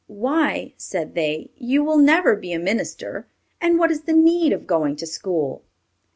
"Why," said they, "you will never be a minister, and what is the need of going to school?"